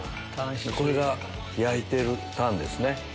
これが焼いてるタンですね。